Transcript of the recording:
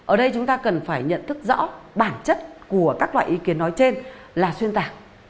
ở đây chúng ta cần phải nhận thức rõ bản chất của các loại ý kiến nói trên là xuyên tạc